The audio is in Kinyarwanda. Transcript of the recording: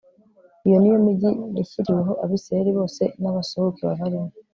iyo ni yo migi yashyiriweho abayisraheli bose n'abasuhuke babarimo